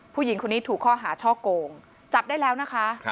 ผู้หญิงคนนี้ถูกข้อหาช่อโกงจับได้แล้วนะคะ